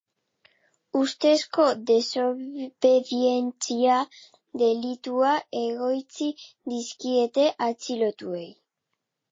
Ustezko desobedientzia delitua egotzi dizkiete atxilotuei.